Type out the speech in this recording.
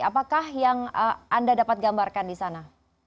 apakah yang anda dapat gambarkan di sana